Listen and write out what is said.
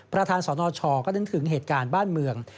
ประธานสนชก็นึกถึงเหตุการณ์บ้านเมือง